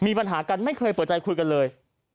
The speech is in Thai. มีปัญหากันไม่เคยเปิดใจคุยกันเลย